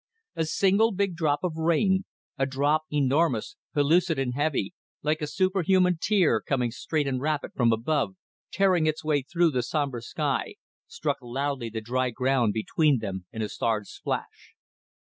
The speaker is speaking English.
A single big drop of rain, a drop enormous, pellucid and heavy like a super human tear coming straight and rapid from above, tearing its way through the sombre sky struck loudly the dry ground between them in a starred splash.